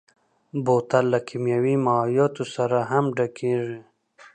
بوتل له کيمیاوي مایعاتو سره هم ډکېږي.